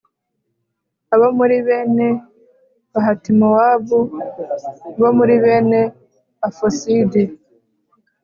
Abo muri bene Pahatimowabu bo muri bene afosidi